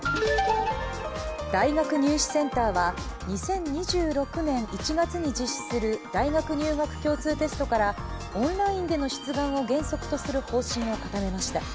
大学入試センターは２０２６年１月に実施する大学入学共通テストからオンラインでの出願を原則とする方針を固めました。